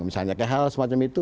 misalnya hal semacam itu